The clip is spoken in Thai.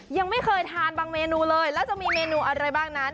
ยังไม่เคยทานบางเมนูเลยแล้วจะมีเมนูอะไรบ้างนั้น